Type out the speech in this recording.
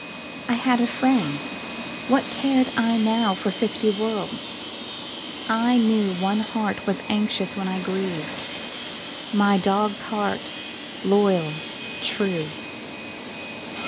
I had a friend; what cared I now For fifty worlds? I knew One heart was anxious when I grieved My dog's heart, loyal, true.